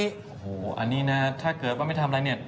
โอ้โหอันนี้นะถ้าเกิดว่าไม่ทำอะไรเนี่ย